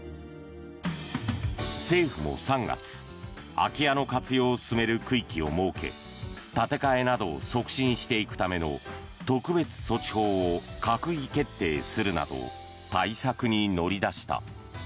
政府も３月空き家の活用を進める区域を設け建て替えなどを促進していくための特別措置法を閣議決定するなど対策に乗り出した。